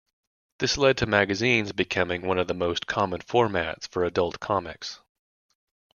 This led to magazines becoming one of the most common formats for adult comics.